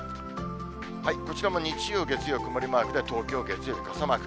こちらも日曜、月曜、曇りマークで東京、月曜日傘マーク。